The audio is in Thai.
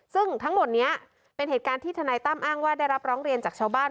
ซึ่งทั้งหมดนี้เป็นเหตุการณ์ที่ทนายตั้มอ้างว่าได้รับร้องเรียนจากชาวบ้าน